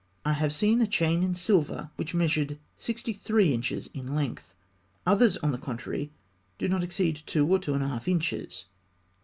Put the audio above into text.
I have seen a chain in silver which measured sixty three inches in length. Others, on the contrary, do not exceed two, or two and a half inches.